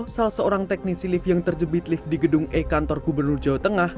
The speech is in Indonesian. salah seorang teknisi lift yang terjebit lift di gedung e kantor gubernur jawa tengah